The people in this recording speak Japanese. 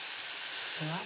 うわっ